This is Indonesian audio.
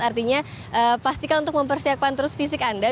artinya pastikan untuk mempersiapkan terus fisik anda